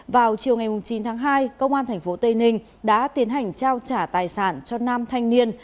vào chiều ngày chín tháng hai công an tp tây ninh đã tiến hành trao trả tài sản cho nam thanh niên